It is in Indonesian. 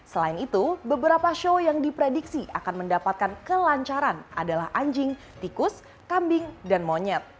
selain itu beberapa show yang diprediksi akan mendapatkan kelancaran adalah anjing tikus kambing dan monyet